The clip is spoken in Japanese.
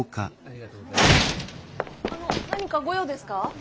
あの何かご用ですか？